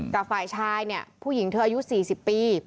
กับฝ่ายชายเนี่ยผู้หญิงเธออายุ๔๐ปี